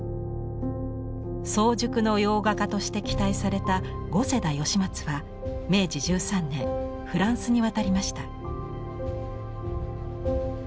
早熟の洋画家として期待された五姓田義松は明治１３年フランスに渡りました。